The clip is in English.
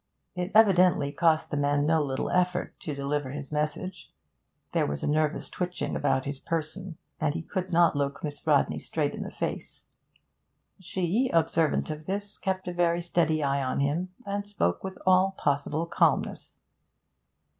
It evidently cost the man no little effort to deliver his message; there was a nervous twitching about his person, and he could not look Miss Rodney straight in the face. She, observant of this, kept a very steady eye on him, and spoke with all possible calmness.